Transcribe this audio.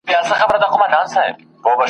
تیارې به تر ابده د دې غرونو په خوا نه وي ,